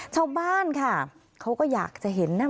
ชาวบ้านค่ะเขาก็อยากจะเห็นนะ